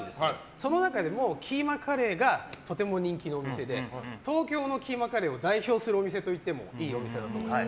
その中でもキーマカレーがとても人気のお店で東京のキーマカレーを代表するお店といってもいいお店だと思います。